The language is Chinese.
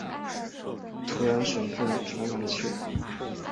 土壤水分传感器。